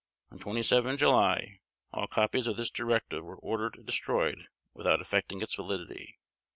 On 27 July all copies of this directive were ordered destroyed without affecting its validity.